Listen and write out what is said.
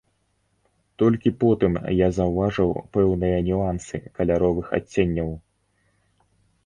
Толькі потым я заўважыў пэўныя нюансы каляровых адценняў.